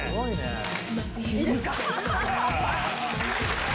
いいですか？